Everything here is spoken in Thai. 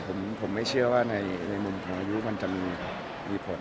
ผมไม่เชื่อว่าในมุมของอายุมันจะมีผล